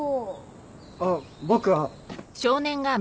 あっ僕は。